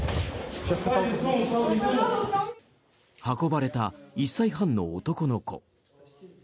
運ばれた１歳半の男の子。